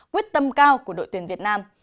quyết tâm cao của đội tuyển việt nam